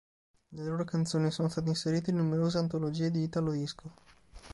Le loro canzoni sono state inserite in numerose antologie di italo disco.